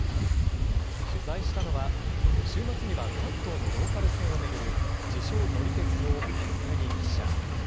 取材したのは、週末には関東のローカル線を巡る、自称、乗り鉄の小國記者。